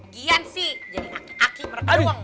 gian sih jadi aki aki mereka doang